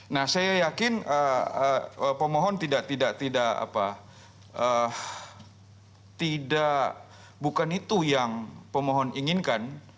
nah saya yakin pemohon tidak bukan itu yang pemohon inginkan